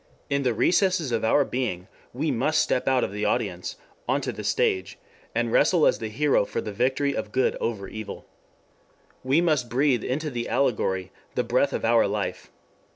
In the recesses of our being we must step out of the audience on to the stage, and wrestle as the hero for the victory of good over evil. We must breathe into the allegory the breath of our life.